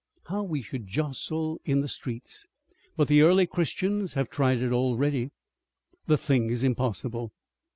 How we should jostle in the streets! But the early Christians have tried it already. The thing is impossible."